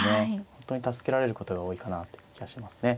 本当に助けられることが多いかなって気がしますね。